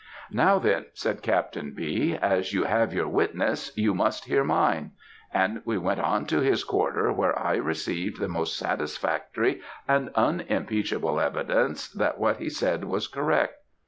"'Now then,' said Captain B., 'as you have your witness, you must hear mine,' and we went on to his quarter, where I received the most satisfactory and unimpeachable evidence, that what he said was correct.